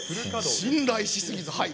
信頼しすぎず、はい。